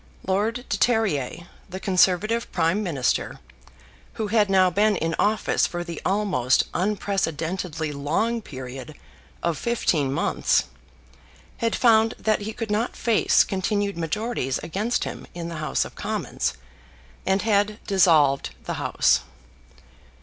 Lord de Terrier, the Conservative Prime Minister, who had now been in office for the almost unprecedentedly long period of fifteen months, had found that he could not face continued majorities against him in the House of Commons, and had dissolved the House.